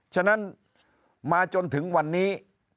ฉะนั้นมาจนถึงวันนี้